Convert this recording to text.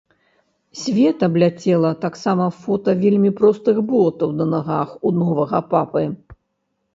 Свет абляцела таксама фота вельмі простых ботаў на нагах у новага папы.